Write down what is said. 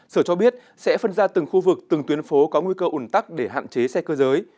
sở cho biết sẽ phân ra từng khu vực từng tuyến phố có nguy cơ ủn tắc để hạn chế xe cơ giới